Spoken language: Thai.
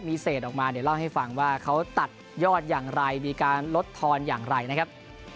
มีเศษออกมาเดี๋ยวเล่าให้ฟังว่าเขาตัดยอดอย่างไรมีการลดทอนอย่างไรนะครับ